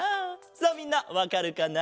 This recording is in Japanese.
さあみんなわかるかな？